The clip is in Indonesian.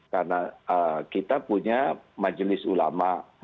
karena kita punya majelis ulama